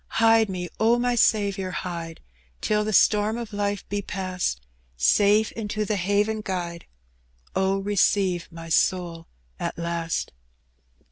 Hide me, Q my Saviour, hide, Till the storm of life be past ; Safe into the haven guide :.. Oh, receive my soul at last."